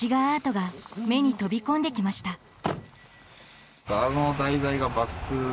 アートが目に飛び込んできました。